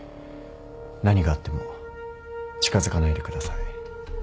何があっても近づかないでください。